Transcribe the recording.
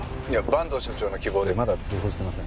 坂東社長の希望でまだ通報してません。